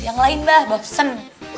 yang lain bah bah pesen